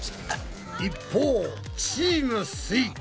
一方チームすイ。